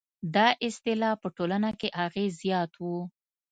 دا اصطلاح په ټولنه کې اغېز زیات و.